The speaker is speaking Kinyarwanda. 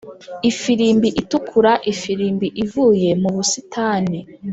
ifirimbi itukura ifirimbi ivuye mu busitani;